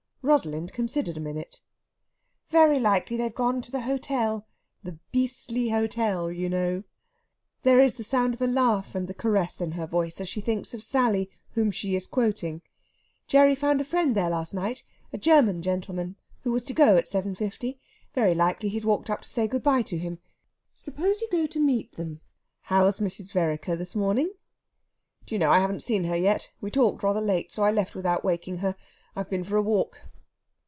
Rosalind considered a minute. "Very likely they've gone to the hotel the 'beastly hotel,' you know." There is the sound of a laugh, and the caress in her voice, as she thinks of Sally, whom she is quoting. "Gerry found a friend there last night a German gentleman who was to go at seven fifty. Very likely he's walked up to say good bye to him. Suppose you go to meet them! How's Mrs. Vereker this morning?" "Do you know, I haven't seen her yet! We talked rather late, so I left without waking her. I've been for a walk."